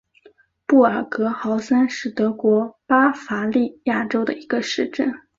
布尔格豪森是德国巴伐利亚州的一个市镇。